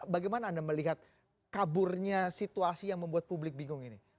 bagaimana anda melihat kaburnya situasi yang membuat publik bingung ini